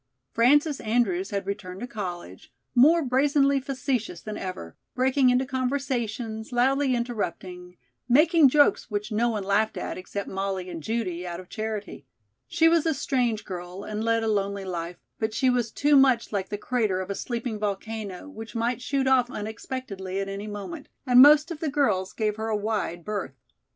Frances Andrews had returned to college, more brazenly facetious than ever, breaking into conversations, loudly interrupting, making jokes which no one laughed at except Molly and Judy out of charity. She was a strange girl and led a lonely life, but she was too much like the crater of a sleeping volcano, which might shoot off unexpectedly at any moment, and most of the girls gave her a wide berth.